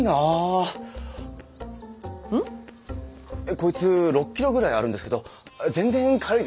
こいつ６キロぐらいあるんですけど全然軽いですね。